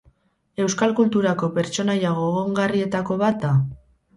Euskal kulturako pertsonaia gogoangarrietako bat da.